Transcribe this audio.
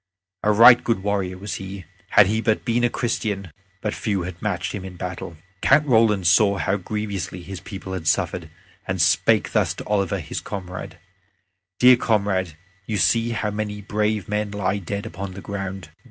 A right good warrior was he; had he but been a Christian, but few had matched him in battle. Count Roland saw how grievously his people had suffered and spake thus to Oliver his comrade: "Dear comrade, you see how many brave men lie dead upon the ground.